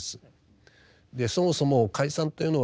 そもそも解散というのはですね